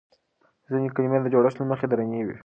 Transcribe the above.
ځينې کلمې د جوړښت له مخې درنې وي.